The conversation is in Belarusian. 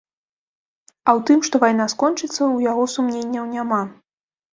А ў тым, што вайна скончыцца, у яго сумненняў няма.